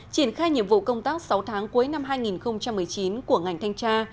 triển khai nhiệm vụ công tác sáu tháng cuối năm hai nghìn một mươi chín của ngành thanh tra